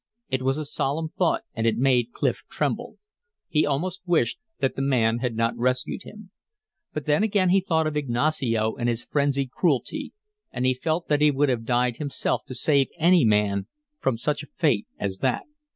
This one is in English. It was a solemn thought, and it made Clif tremble. He almost wished that the man had not rescued him. But then again he thought of Ignacio and his frenzied cruelty, and he felt that he would have died himself to save any man from such a fate as that.